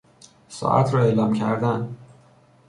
ساعت را اعلام کردن